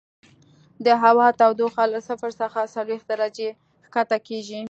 د هوا تودوخه له صفر څخه څلوېښت درجې ښکته کیږي